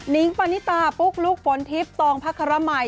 นิ้งปานิตาปุ๊กลูกฟ้นทิศตองพระครมัย